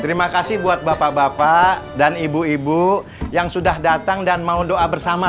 terima kasih buat bapak bapak dan ibu ibu yang sudah datang dan mau doa bersama